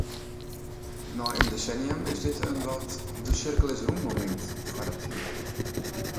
Nei in desennium is dit wat in ‘de-sirkel-is-rûnmomint’ foar it team.